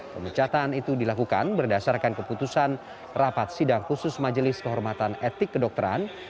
pemecatan itu dilakukan berdasarkan keputusan rapat sidang khusus majelis kehormatan etik kedokteran